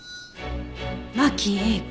真木英子。